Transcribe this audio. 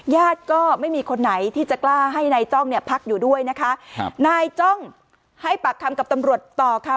ญาติก็ไม่มีคนไหนที่จะกล้าให้นายจ้องเนี่ยพักอยู่ด้วยนะคะครับนายจ้องให้ปากคำกับตำรวจต่อค่ะ